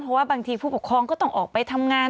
เพราะว่าบางทีผู้ปกครองก็ต้องออกไปทำงาน